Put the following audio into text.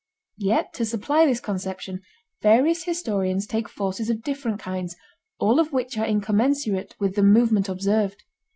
Yet to supply this conception various historians take forces of different kinds, all of which are incommensurate with the movement observed.